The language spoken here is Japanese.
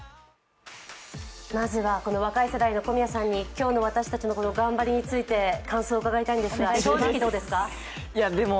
若い世代の小宮さんに今日の私たちのこの頑張りについて感想を伺いたいんですが、どうですか？